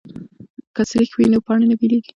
که سریښ وي نو پاڼې نه بېلیږي.